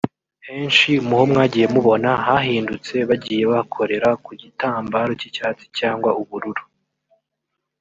Henshi muho mwagiye mubona hahindutse bagiye bakorera ku gitambaro cy'icyatsi cyangwa ubururu